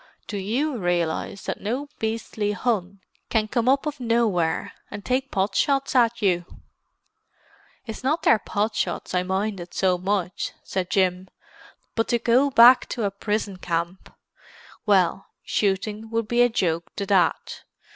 "Do you realize that no beastly Hun can come up out of nowhere and take pot shots at you?" "It's not their pot shots I minded so much," said Jim. "But to go back to a prison camp—well, shooting would be a joke to that.